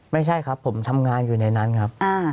ไม่ใช่ครับผมทำงานอยู่ในนั้นครับ